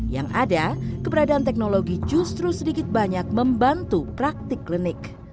yang ada keberadaan teknologi justru sedikit banyak membantu praktik klinik